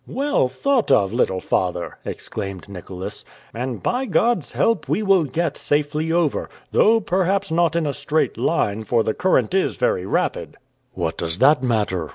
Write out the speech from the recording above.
"Well thought of, little father," exclaimed Nicholas, "and by God's help we will get safely over... though perhaps not in a straight line, for the current is very rapid!" "What does that matter?"